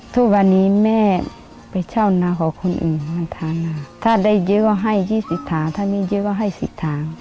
ทุกวันนี้แม่ไปเช่านาของคนอื่นมาทานค่ะถ้าได้เยอะก็ให้๒๐ถังถ้ามีเยอะก็ให้๑๐ถัง